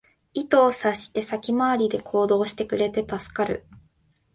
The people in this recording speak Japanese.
意図を察して先回りで行動してくれて助かる